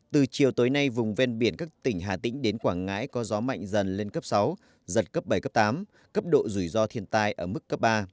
từ chiều tối nay vùng ven biển các tỉnh hà tĩnh đến quảng ngãi có gió mạnh dần lên cấp sáu giật cấp bảy cấp tám cấp độ rủi ro thiên tai ở mức cấp ba